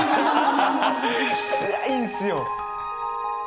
つらいんですよ。